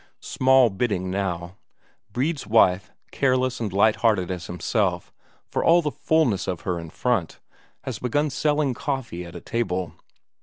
Small bidding now. Brede's wife, careless and light hearted as himself, for all the fulness of her in front, has begun selling coffee at a table.